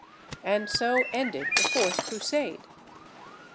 And so ended the fourth Crusade.